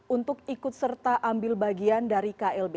untuk ikut serta ambil bagian dari klb